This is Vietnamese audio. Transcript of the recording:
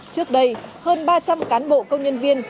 trước đây hơn ba trăm linh cán bộ công nhân viên